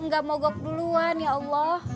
gak mogok duluan ya allah